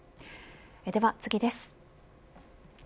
では次です。